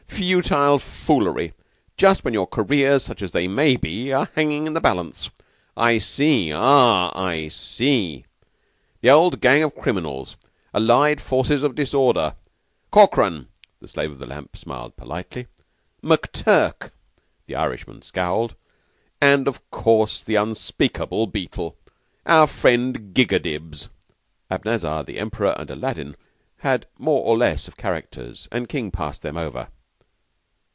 "Futile foolery just when your careers, such as they may be, are hanging in the balance. I see! Ah, I see! The old gang of criminals allied forces of disorder Corkran" the Slave of the Lamp smiled politely "McTurk" the Irishman scowled "and, of course, the unspeakable Beetle, our friend Gigadibs." Abanazar, the Emperor, and Aladdin had more or less of characters, and King passed them over.